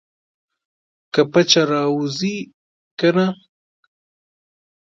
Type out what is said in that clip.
که پچه راوځي کنه.